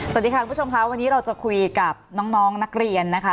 สวัสดีค่ะคุณผู้ชมค่ะวันนี้เราจะคุยกับน้องนักเรียนนะคะ